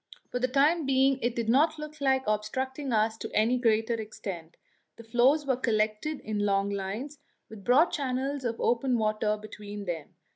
For the time being it did not look like obstructing us to any great extent; the floes were collected in long lines, with broad channels of open water between them.